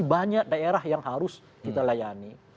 banyak daerah yang harus kita layani